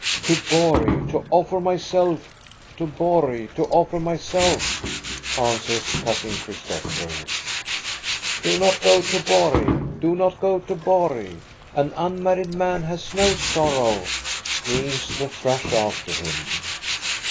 " To Borg to offer myself, to Borg to offer myself," answers Cousin Christopher. " Do not go to Borg, do not go to Borg ! An un married man has no sorrow," screams the thrush after him.